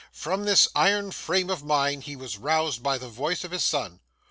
From this iron frame of mind he was roused by the voice of his son.